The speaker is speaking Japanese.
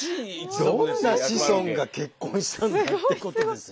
どんな子孫が結婚したのかってことですよね。